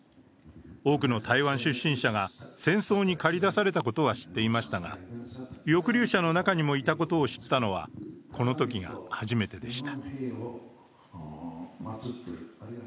多くの台湾出身者が戦争にかり出されたことは知っていましたが、抑留者の中にもいたことを知ったのは、このときが初めてでした。